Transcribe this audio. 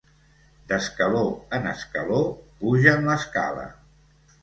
D'escaló en escaló pugen l'escala.